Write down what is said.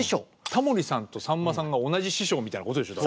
タモリさんとさんまさんが同じ師匠みたいなことでしょ。